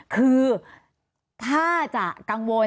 คือถ้าจะกังวล